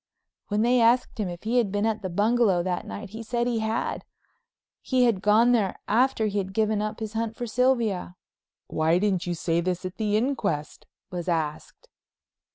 When they asked him if he had been at the bungalow that night he said he had, he had gone there after he had given up his hunt for Sylvia. "Why didn't you say this at the inquest?" was asked.